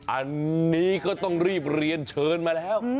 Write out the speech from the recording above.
อันนี้ก็ต้องรีบเรียนเชิญมาแล้ว